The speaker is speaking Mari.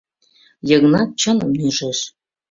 Йыгнат чыным нӱжеш.